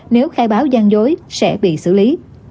nếu khai báo gian dối sẽ bị xử lý